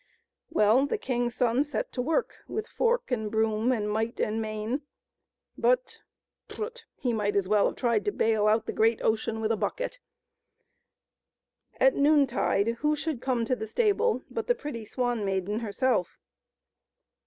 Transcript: Well, the king's son set to work with fork and broom and might and main, but — prut !— he might as well have tried to bale out the great ocean with a bucket. At noontide who should come to the stable but the pretty Swan Maiden herself.